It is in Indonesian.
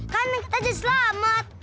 kan kita jadi selamat